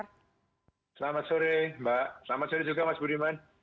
selamat sore mbak selamat sore juga mas budiman